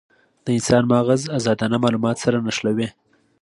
د انسان مغز ازادانه مالومات سره نښلوي.